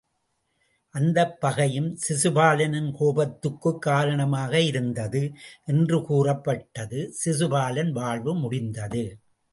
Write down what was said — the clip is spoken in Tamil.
அந்தப் பகையும் சிசுபாலனின் கோபத்துக் குக் காரணமாக இருந்தது என்று கூறப்பட்டது. சிசுபாலன் வாழ்வு முடிந்தது.